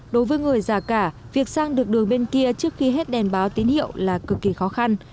đối với người già cả việc sang được đường bên kia trước khi hết đèn báo tín hiệu là cực kỳ khó khăn